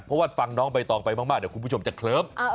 เพราะว่าฟังน้องใบตองไปมากเดี๋ยวคุณผู้ชมจะเคลิ้ม